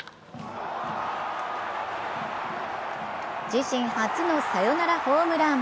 自身初のサヨナラホームラン！